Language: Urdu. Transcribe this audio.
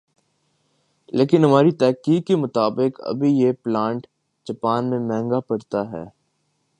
لیکن ہماری تحقیق کے مطابق ابھی یہ پلانٹ جاپان میں مہنگا پڑتا ھے